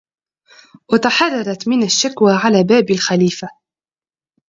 وتحررت من الشكوى على باب الخليفه